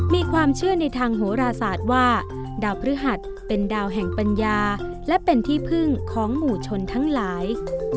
มีความเชื่อในทางโหราศาสตร์ว่าดาวพฤหัสเป็นดาวแห่งปัญญาและเป็นที่พึ่งของหมู่ชนทั้งหลาย